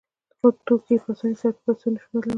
خو توکي په اسانۍ سره په پیسو نشو بدلولی